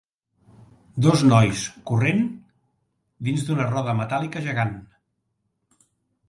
Dos nois corrent dins d'una roda metàl·lica gegant.